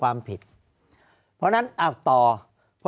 ภารกิจสรรค์ภารกิจสรรค์